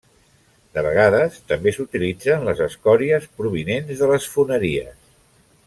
De vegades també s'utilitzen les escòries provinents de les foneries.